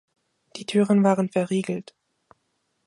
Die Türen waren verriegelt.